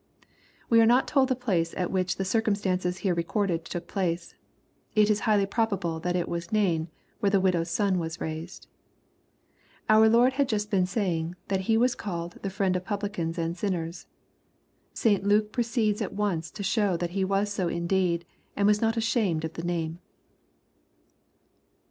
We are not told the place at which the circumstances here re corded took place. It is highly probable that it was Nain, where the widow's son was raised. Our Lord had just been saying, that he was called " the friend of publicans and sinners." St. Luke proceeds at once to show that He was so indeed, and was not ashamed of the name.